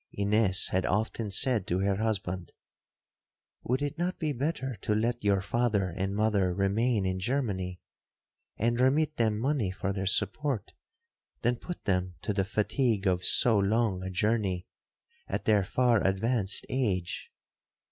Ines had often said to her husband, 'Would it not be better to let your father and mother remain in Germany, and remit them money for their support, than put them to the fatigue of so long a journey at their far advanced age?'